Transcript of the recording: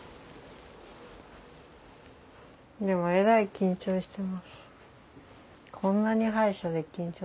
でもえらい緊張してます。